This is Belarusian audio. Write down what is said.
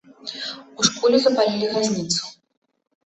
У школе запалілі газніцу.